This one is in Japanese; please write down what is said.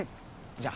じゃあ。